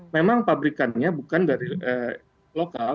memang pabrikannya bukan dari lokal